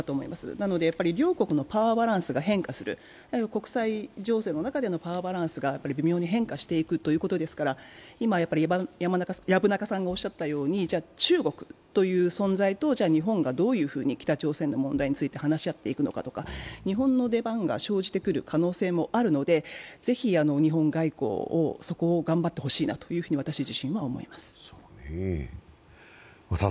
なのでやっぱり両国のパワーバランスが変化する、国際情勢の中でのパワーバランスが微妙に変化していくということですから、では中国という存在と日本がどういうふうに北朝鮮の問題について話し合っていくのかとか日本の出番が生じてくる可能性もあるので、ぜひ、日本外交、そこを頑張ってほしいなというふうに私自身は思います。